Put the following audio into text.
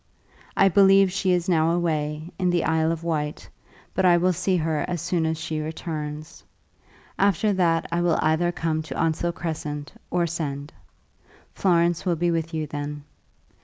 I believe she is now away, in the Isle of Wight, but I will see her as soon as she returns. After that I will either come to Onslow Crescent or send. Florence will be with you then.